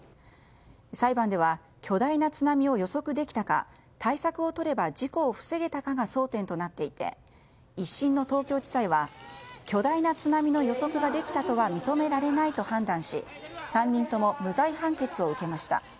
裁判では巨大な津波を予測できたか対策をとれば事故を防げたかが争点となっていて１審の東京地裁は巨大な津波の予測ができたとは認められないと判断し３人とも無罪判決を受けました。